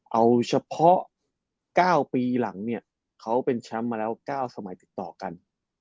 เอาเฉพาะ๙ปีหลังเนี่ยเขาเป็นแชมป์มาแล้ว๙สมัยติดต่อกัน